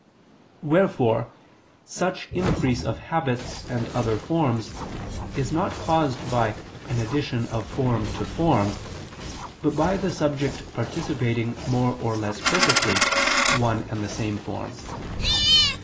Wherefore such increase of habits and other forms, is not caused by an addition of form to form; but by the subject participating more or less perfectly, one and the same form.